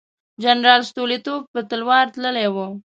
جنرال ستولیتوف په تلوار تللی وو.